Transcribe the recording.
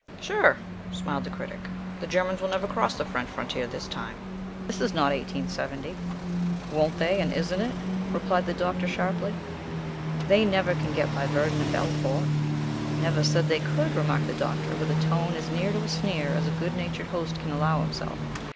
"Sure," smiled the Critic. "The Germans will never cross the French frontier this time. This is not 1870." "Won't they, and isn't it?" replied the Doctor sharply. "They never can get by Verdun and Belfort." "Never said they could," remarked the Doctor, with a tone as near to a sneer as a good natured host can allow himself.